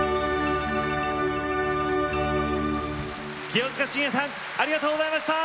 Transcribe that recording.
清塚信也さんありがとうございました。